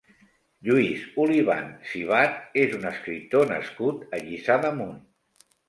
Lluís Oliván Sibat és un escriptor nascut a Lliçà d'Amunt.